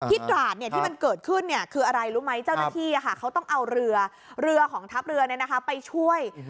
ตราดที่มันเกิดขึ้นคืออะไรรู้ไหมเจ้าหน้าที่เขาต้องเอาเรือเรือของทัพเรือไปช่วย